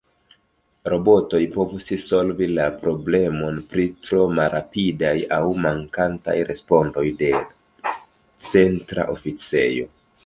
Robotoj povus solvi la problemon pri tro malrapidaj aŭ mankantaj respondoj de Centra Oficejo.